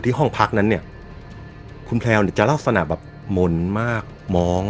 ห้องพักนั้นเนี่ยคุณแพลวเนี่ยจะลักษณะแบบหม่นมากมอง